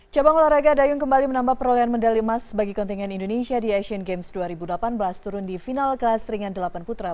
cabang olahraga dayung kembali menambah perolehan medali emas bagi kontingen indonesia di asian games dua ribu delapan belas turun di final kelas ringan delapan putra